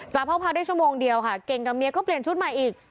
ห้องพักได้ชั่วโมงเดียวค่ะเก่งกับเมียก็เปลี่ยนชุดใหม่อีก